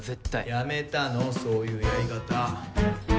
やめたのそういうやり方。